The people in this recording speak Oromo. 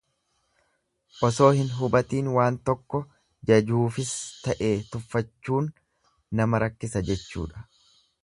Osoo hin hubatiin waan tokko jajuufis ta'e tuffachuun nama rakkisa jechuudha.